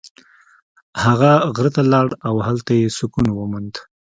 هغه غره ته لاړ او هلته یې سکون وموند.